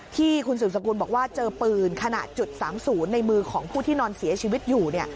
ที่คุณสืบสกุลบอกว่าเจอปืนขนาด๓๐ในมือของผู้ที่นอนเสียชีวิตอยู่